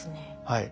はい。